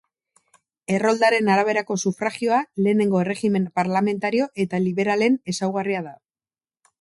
Erroldaren araberako sufragioa lehenengo erregimen parlamentario eta liberalen ezaugarria da.